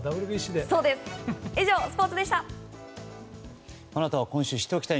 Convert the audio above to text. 以上、スポーツでした。